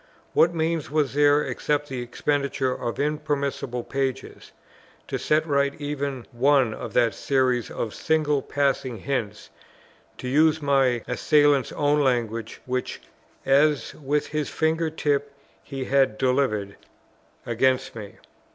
What means was there, except the expenditure of interminable pages, to set right even one of that series of "single passing hints," to use my Assailant's own language, which, "as with his finger tip he had delivered" against me?